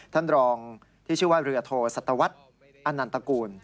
ท่านรองที่ชื่อว่าเรือโทสัตวรรษอนันตกูล